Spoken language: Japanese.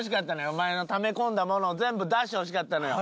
お前のため込んだものを全部出してほしかったのよ。